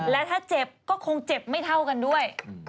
และถ้าเจ็บก็คงเจ็บไม่เท่ากันด้วย